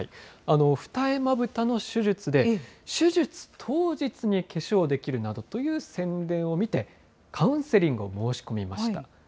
二重まぶたの手術で、手術当日に化粧できるなどという宣伝を見て、カウンセリングを申し込みました。